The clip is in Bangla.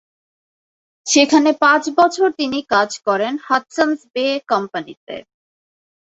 সেখানে পাঁচ বছর তিনি কাজ করেন হাডসন’স বে কোম্পানিতে।